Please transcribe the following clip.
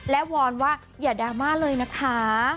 และวอนว่าอย่าดราม่าเลยนะคะ